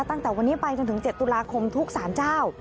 ตั้งแต่วันนี้ไปจนถึง๗ตุลาคมทุกสารเจ้า